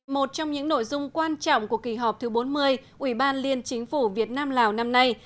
một trong những nội dung quan trọng của kỳ họp thứ bốn mươi ủy ban liên chính phủ việt nam lào năm nay